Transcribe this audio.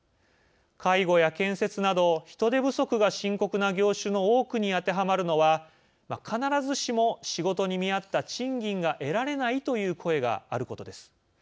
介護や建設など人手不足が深刻な業種の多くに当てはまるのは「必ずしも仕事に見合った賃金が得られない」という声があることです。